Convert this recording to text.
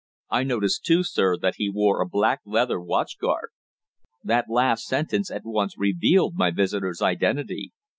I noticed, too, sir, that he wore a black leather watch guard." That last sentence at once revealed my visitor's identity.